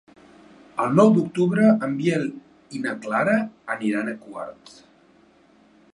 El nou d'octubre en Biel i na Clara aniran a Quart.